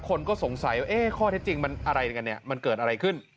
คนก็สงสัยว่าข้อเท็จจริงมันอะไรกันเนี่ยมันเกิดอะไรขึ้น